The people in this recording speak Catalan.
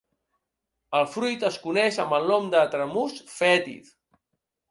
El fruit es coneix amb el nom de tramús fètid.